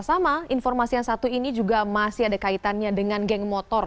sama informasi yang satu ini juga masih ada kaitannya dengan geng motor